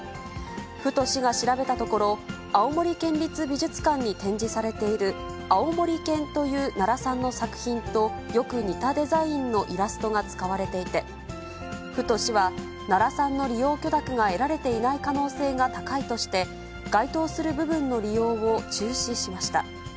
府と市が調べたところ、青森県立美術館に展示されている、あおもり犬という奈良さんの作品とよく似たデザインのイラストが使われていて、府と市は、奈良さんの利用許諾が得られていない可能性が高いとして、該当する部分の利用を中止しました。